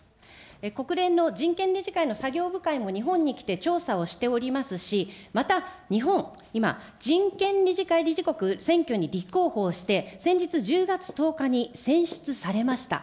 国連の人権理事会の作業部会も日本に来て、調査をしておりますし、また、日本、今、人権理事会理事国選挙に立候補をして、先日１０月１０日に選出されました。